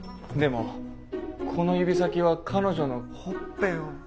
でもこの指先は彼女のほっぺを。